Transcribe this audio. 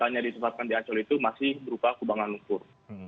katanya disempatkan di acol itu masih berupa kebanggaan ukur